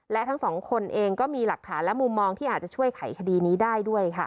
และทั้งสองคนเองก็มีหลักฐานและมุมมองที่อาจจะช่วยไขคดีนี้ได้ด้วยค่ะ